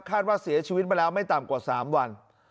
ว่าเสียชีวิตมาแล้วไม่ต่ำกว่า๓วัน